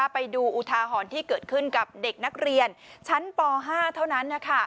ไปดูอุทาหรณ์ที่เกิดขึ้นกับเด็กนักเรียนชั้นป๕เท่านั้น